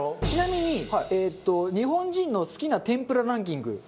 ちなみに日本人の好きな天ぷらランキング